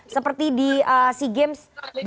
seperti di sea games dua ribu dua puluh